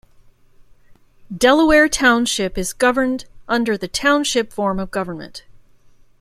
Delaware Township is governed under the Township form of government.